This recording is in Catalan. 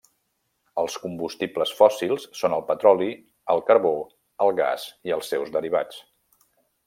Els combustibles fòssils són el petroli, el carbó, el gas i els seus derivats.